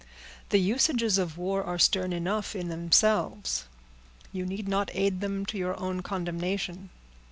"The usages of war are stern enough in themselves; you need not aid them to your own condemnation."